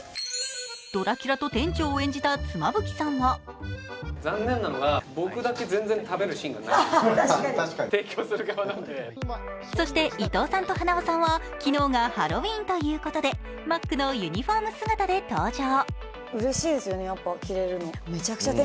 ドラキュラと店長を演じた妻夫木さんはそして伊藤さんと塙さんは、昨日がハロウィーンということでマックのユニフォーム姿で登場。